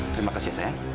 terima kasih ya sayang